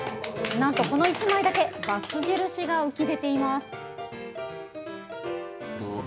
なんと、この１枚だけ×印が浮き出ています。